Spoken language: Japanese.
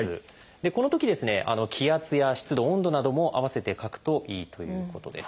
このとき気圧や湿度温度なども併せて書くといいということです。